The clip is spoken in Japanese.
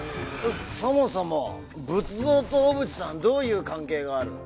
そもそも仏像と小渕さんどういう関係がある？